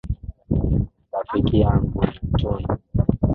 Rafiki yangu ni mtundu.